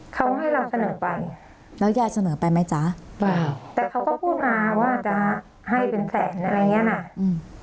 เขาให้เราเสนอไปแล้วยายเสนอไปไหมจ๊ะแต่เขาก็พูดมาว่าจะให้เป็นแสนอะไรอย่างเงี้ยน่ะอืม